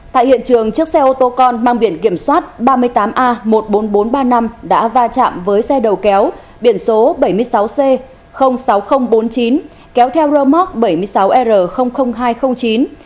tại hiện trường chiếc xe ô tô con mang biển kiểm soát ba mươi tám a một mươi bốn nghìn bốn trăm ba mươi năm đã va chạm với xe đầu kéo biển số bảy mươi sáu c sáu nghìn bốn mươi chín kéo theo rơ móc bảy mươi sáu r hai trăm linh chín